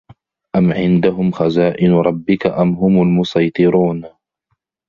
أَم عِندَهُم خَزائِنُ رَبِّكَ أَم هُمُ المُصَيطِرونَ